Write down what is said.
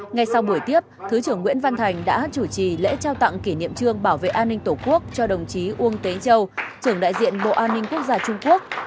ngay sau buổi tiếp thứ trưởng nguyễn văn thành đã chủ trì lễ trao tặng kỷ niệm trương bảo vệ an ninh tổ quốc cho đồng chí uông tế châu trưởng đại diện bộ an ninh quốc gia trung quốc